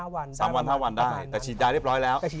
๓วัน๕วันได้แต่ฉีดยาเรียบร้อยแล้ว